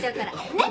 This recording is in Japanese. ねっ？